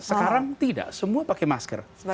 sekarang tidak semua pakai masker